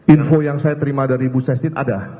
info yang saya terima dari bu sestit ada